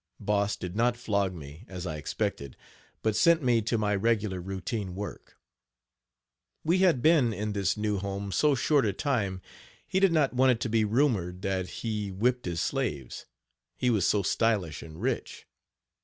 Boss did not flog me, as I expected, but sent me to my regular routine work. We had been in this new home so short a time he did not want it to be rumored that he whipped his slaves, he was so stylish and rich.